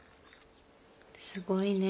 すごいね。